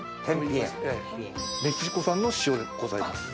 メキシコ産の塩でございます。